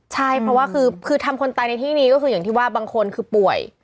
ใช่เพราะว่าคือทำคนตายในที่นี้ก็คืออย่างที่ว่าบางคนคือป่วย